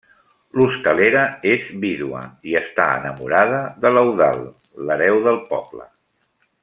L'hostalera és vídua i està enamorada de l'Eudald, l'hereu del poble.